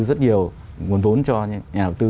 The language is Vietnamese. rất nhiều nguồn vốn cho nhà đầu tư